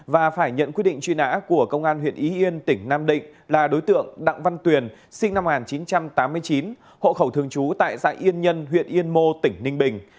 và phải nhận quyết định truy nã của công an huyện ý yên tỉnh nam định là đối tượng đặng văn tuyền sinh năm một nghìn chín trăm tám mươi chín hộ khẩu thường trú tại xã yên nhân huyện yên mô tỉnh ninh bình